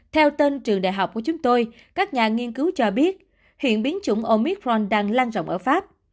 theo tên trường đại học của chúng tôi các nhà nghiên cứu cho biết hiện biến chủng omicron đang lan rộng ở pháp